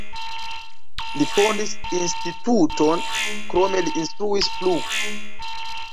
Li fondis instituton, krome li instruis plu.